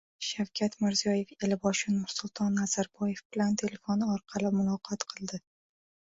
Shavkat Mirziyoyev Elboshi Nursulton Nazarboyev bilan telefon orqali muloqot qildi